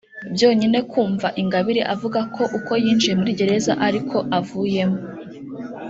Byonyine kumva Ingabire avuga ko uko yinjiye muri Gereza ariko avuyemo